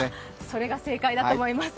それが正解だと思います。